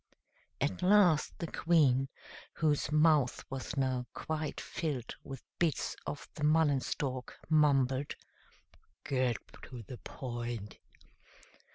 At last the Queen, whose mouth was now quite filled with bits of the mullen stalk, mumbled, "Get to the point."